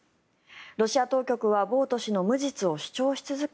ロシア当局はボウト氏の無実を主張し続け